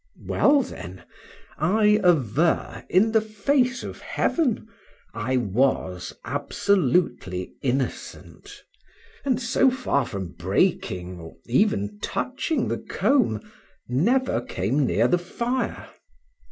Well, then, I aver, in the face of Heaven, I was absolutely innocent: and, so far from breaking, or even touching the comb, never came near the fire.